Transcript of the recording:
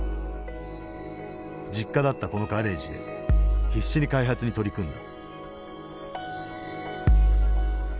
実家だったこのガレージで必死に開発に取り組んだ。